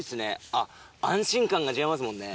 あっ安心感が違いますもんね。